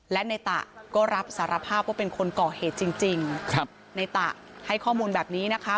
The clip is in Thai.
และในตะก็รับสารภาพว่าเป็นคนก่อเหตุจริงจริงครับในตะให้ข้อมูลแบบนี้นะคะ